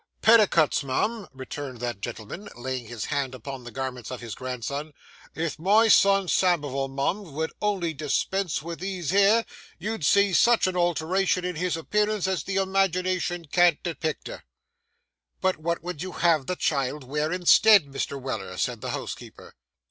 'Petticuts, mum,' returned that gentleman, laying his hand upon the garments of his grandson. 'If my son Samivel, mum, vould only dis pense vith these here, you'd see such a alteration in his appearance, as the imagination can't depicter.' 'But what would you have the child wear instead, Mr. Weller?' said the housekeeper.